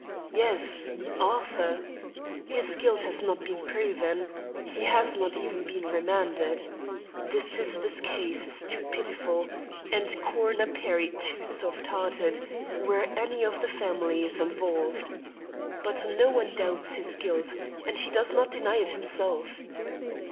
"Yes Arthur. His guilt has not been proven; he has not even been remanded; the sister's case is too pitiful and Coroner Perry too soft hearted, where any of that family is involved. But no one doubts his guilt, and he does not deny it himself.